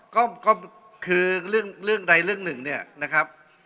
ก็คือเรื่องใดเรื่องหนึ่งเนี่ยนะครับ